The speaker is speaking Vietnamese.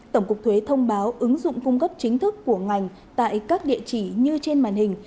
tổng cục thuế thông báo ứng dụng cung cấp chính thức của ngành tại các địa chỉ như trên màn hình